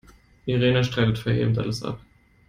Irene streitet vehement alles ab.